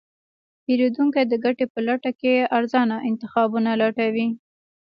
پیرودونکی د ګټې په لټه کې ارزانه انتخابونه لټوي.